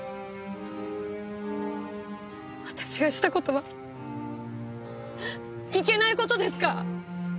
私がした事はいけない事ですか？